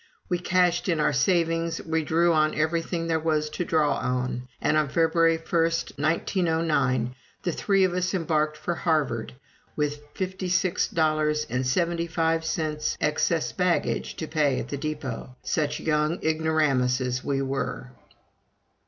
We cashed in our savings, we drew on everything there was to draw on, and on February 1, 1909, the three of us embarked for Harvard with fifty six dollars and seventy five cents excess baggage to pay at the depot, such young ignoramuses we were.